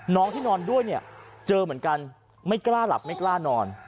น้องที่นอนด้วยเนี่ยเจอเหมือนกันไม่กล้าหลับไม่กล้านอน